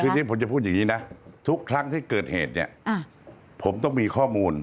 ทีนี้ผมจะพูดอย่างนี้นะทุกครั้งที่เกิดเหตุเนี่ยผมต้องมีข้อมูล